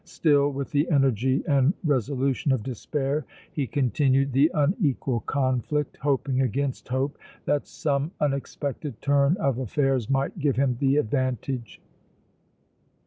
Still with the energy and resolution of despair he continued the unequal conflict, hoping against hope that some unexpected turn of affairs might give him the advantage.